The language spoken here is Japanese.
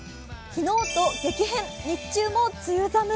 昨日と激変、日中も梅雨寒。